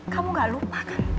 kamu gak lupa kan